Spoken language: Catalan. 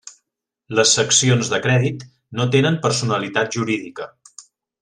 Les seccions de crèdit no tenen personalitat jurídica.